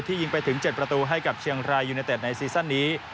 ยิงไปถึง๗ประตูให้กับเชียงรายยูเนเต็ดในซีซั่นนี้